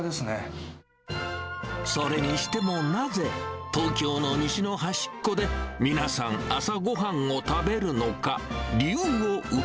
それにしてもなぜ、東京の西の端っこで、皆さん、朝ごはんを食べるのか。